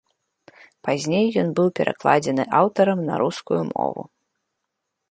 Пазней ён быў перакладзены аўтарам на рускую мову.